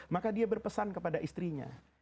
maka dia berpesan kepada istrinya